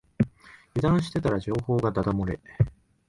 油断してたら情報がだだ漏れ